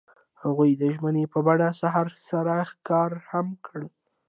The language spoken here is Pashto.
هغوی د ژمنې په بڼه سهار سره ښکاره هم کړه.